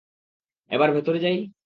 এবার ভেতরে যাই?